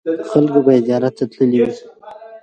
خلکو به یې زیارت ته تللي وي.